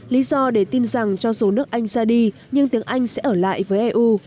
lý do để tin rằng cho dù nước anh ra đi nhưng tiếng anh sẽ ở lại với eu